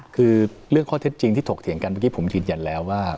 คือเรื่องข้อเท็จจริงที่ถกเถียงกันเมื่อกี้ผมยืนยันแล้วว่า